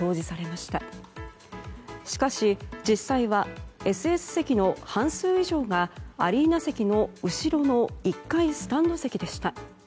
しかし、実際はＳＳ席の半数以上がアリーナ席の後ろの１階スタンド席でした。